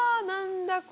何だ？